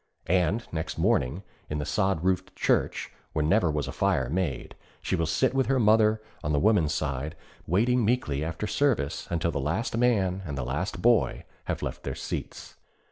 And next morning, in the sod roofed church where never was a fire made, she will sit with her mother on the women's side, waiting meekly after service until the last man and the last boy have left their seats.